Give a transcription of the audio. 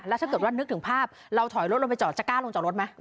แล้วถ้าเกิดว่านึกถึงภาพเราถอยรถลงไปจอดจะกล้าลงจากรถไหม